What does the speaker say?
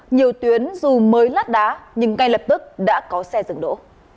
nhiều tuyến dù mới lát đá nhưng ngay lập tức đã có xe dừng đỗ